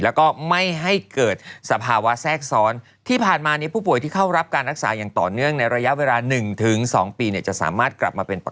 และก็ไม่ให้เกิดสภาวะแซ่กซ้อน